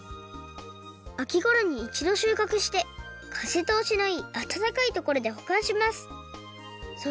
あきごろにいちどしゅうかくしてかぜとおしのいいあたたかいところでほかんします。